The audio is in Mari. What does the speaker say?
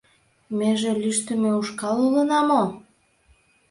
Меже лӱштымӧ ушкал улына мо?!.